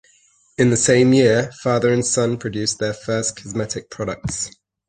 In the same year father and son produced their first cosmetic products.